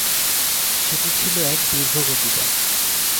সেটি ছিল এক দীর্ঘ কবিতা।